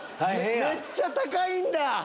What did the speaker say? めっちゃ高いんだ！